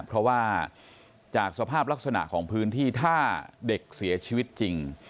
เพราะว่าจากสภาพลักษณะของพื้นที่ถ้าเด็กเสียชีวิตจริง